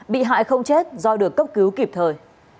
bị hại không chết do được cấp cứu kịp thời